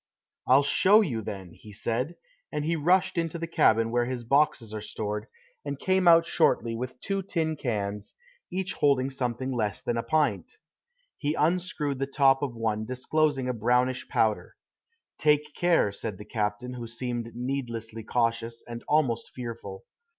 "I'll show you, then," he said, and he rushed into the cabin where his boxes are stored, and came out shortly with two tin cans, each holding something less than a pint. He unscrewed the top of one disclosing a brownish powder. "Take care," said the captain, who seemed needlessly cautious, and almost fearful.